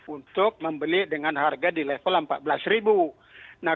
untuk membeli dengan harga di lesenya